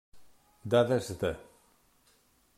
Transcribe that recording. Dades de.